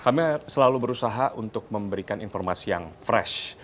kami selalu berusaha untuk memberikan informasi yang fresh